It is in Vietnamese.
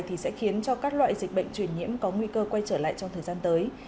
thì sẽ khiến cho các loại dịch bệnh truyền nhiễm có nguy cơ quay trở lại trong thời gian tới